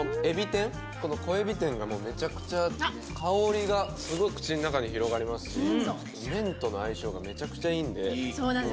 この小海老天がもうめちゃくちゃ香りがすごい口の中に広がりますし麺との相性がめちゃくちゃいいんでそうなんです